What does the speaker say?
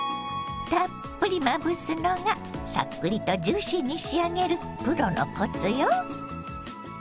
たっぷりまぶすのがさっくりとジューシーに仕上げるプロのコツよ。